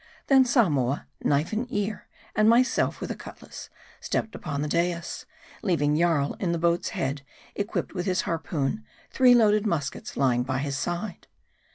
Then, Samoa, knife in ear, and myself with a cutlass, stepped upon the dais, leaving Jarl in the boat's head, equipped with his harpoon ; three loaded muskets lying by his side.